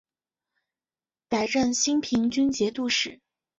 改任兴平军节度使。